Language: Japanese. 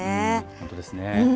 本当ですね。